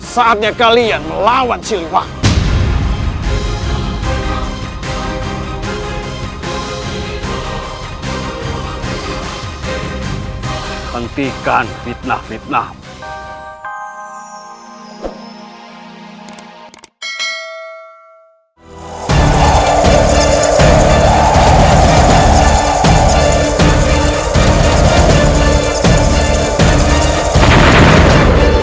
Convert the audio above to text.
saatnya kalian melawan siliwangi